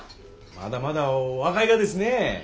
まだまだ若いがですねえ。